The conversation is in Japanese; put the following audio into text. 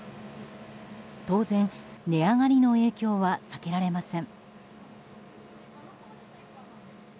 当然、値上がりの影響は避けられません。